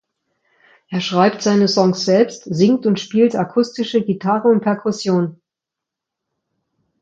Er schreibt seine Songs selbst, singt und spielt akustische Gitarre und Perkussion.